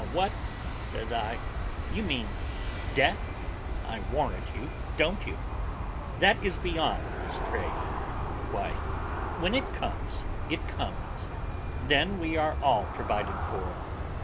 "What!" says I, "you mean death, I warrant you: don't you? That is beyond this trade. Why, when it comes, it comes; then we are all provided for."